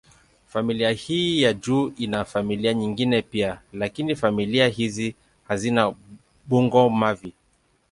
Familia hii ya juu ina familia nyingine pia, lakini familia hizi hazina bungo-mavi.